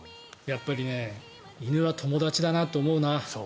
やっぱり犬は友達だなと思うな。